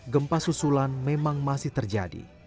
gempa susulan memang masih terjadi